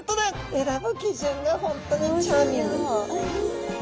選ぶ基準が本当にチャーミング。